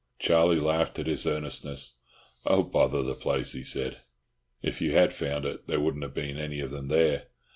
Charlie laughed at his earnestness. "Oh, bother the place," he said. "If you had found it, there wouldn't have been any of them there.